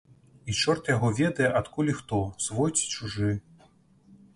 І чорт яго ведае, адкуль і хто, свой ці чужы.